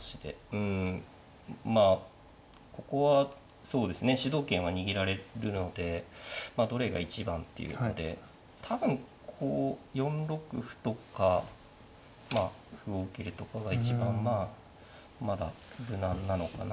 うんまあここはそうですね主導権を握られるのでどれが一番っていうので多分こう４六歩とかまあ歩を受けるとかが一番まあまだ無難なのかなとは。